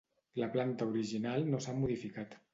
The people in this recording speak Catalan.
La planta original no s'ha modificat.